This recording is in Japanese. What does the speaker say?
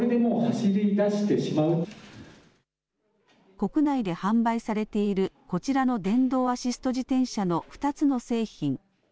国内で販売されているこちらの電動アシスト自転車の２つの製品。